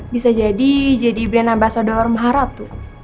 bisa jadi jadi brand ambasador maharatu